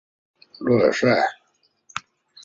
洛雷塞。